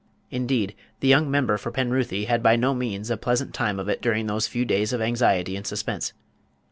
Indeed, the young member for Penruthy had by no means a pleasant time of it during those few days of anxiety and suspense.